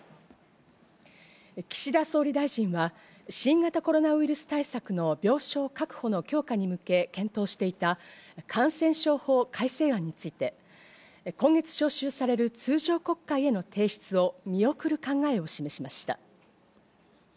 岸田総理大臣は、新型コロナウイルス対策の病床確保の強化に向けて検討していた感染症法改正案について、今月召集される通常国会への提出を見送る考えを示しました。